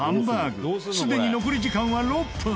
すでに残り時間は６分